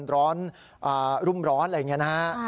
ร้อนรุ่มร้อนอะไรอย่างนี้นะฮะ